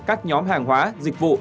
các nhóm hàng hóa dịch vụ